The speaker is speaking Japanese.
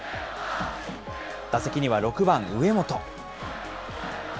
打席には６番上本。